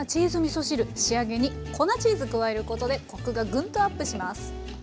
仕上げに粉チーズ加えることでコクがグンとアップします。